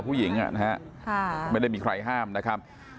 ผู้หญิงอะนะฮะมณจริงครับไม่ได้มีใครห้ามนะครับ